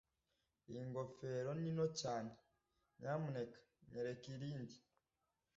Iyi ngofero ni nto cyane. Nyamuneka nyereka irindi.